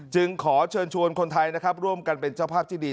จึงขอเชิญชวนคนไทยนะครับร่วมกันเป็นเจ้าภาพที่ดี